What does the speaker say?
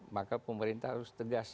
maka pemerintah harus tegas